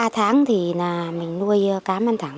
ba tháng thì mình nuôi cá măn thẳng